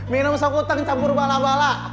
minum sok utang campur bala bala